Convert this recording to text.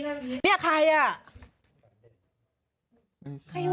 หน้าเกียรติกับหน้าพี่พีช